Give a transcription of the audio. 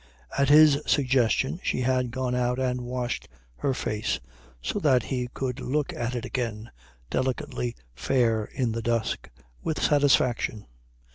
At his suggestion she had gone out and washed her face, so that he could look at it again, delicately fair in the dusk, with satisfaction.